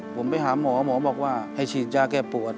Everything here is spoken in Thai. ผมไปหาหมอหมอบอกว่าให้ฉีดยาแก้ปวด